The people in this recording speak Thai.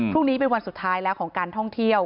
พรุ่งนี้เป็นวันสุดท้ายแล้วของการท่องเที่ยว